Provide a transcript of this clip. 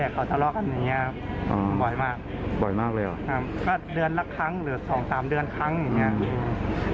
ครับก็เดือนละครั้งหรือสองสามเดือนครั้งอย่างเงี้ยอืม